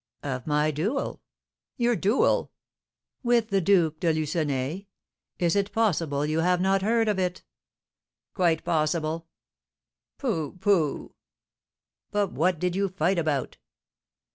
"Of my duel " "Your duel?" "With the Duke de Lucenay. Is it possible you have not heard of it?" "Quite possible." "Pooh! pooh!" "But what did you fight about?"